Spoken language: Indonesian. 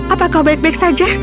apa kau baik baik saja